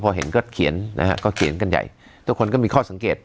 พอเห็นก็เขียนนะฮะก็เขียนกันใหญ่ทุกคนก็มีข้อสังเกต